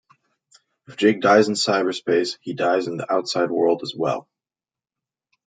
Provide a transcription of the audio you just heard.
If Jake dies in cyberspace, he dies in the outside world as well.